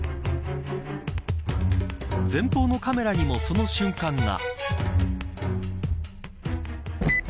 前方のカメラにもその瞬間が。